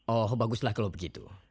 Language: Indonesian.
oh baguslah kalau begitu